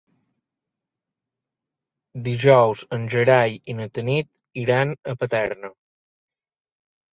Dijous en Gerai i na Tanit iran a Paterna.